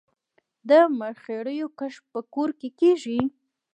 د مرخیړیو کښت په کور کې کیږي؟